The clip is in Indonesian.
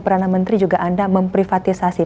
perdana menteri juga anda memprivatisasi